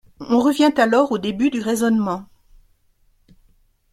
On revient alors au début du raisonnement.